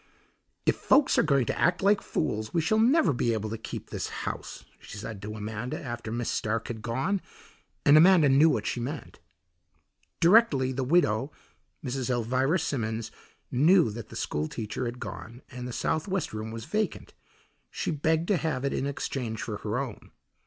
"If folks are going to act like fools we shall never be able to keep this house," she said to Amanda after Miss Stark had gone; and Amanda knew what she meant. Directly the widow, Mrs. Elvira Simmons, knew that the school teacher had gone and the southwest room was vacant, she begged to have it in exchange for her own.